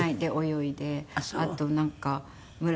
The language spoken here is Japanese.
あとなんか村の。